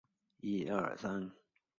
卡萨盖。